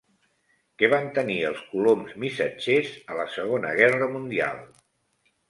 Què van tenir els coloms missatgers a la Segona Guerra Mundial?